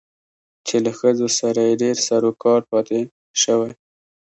چې له ښځو سره يې ډېر سرو کارو پاتې شوى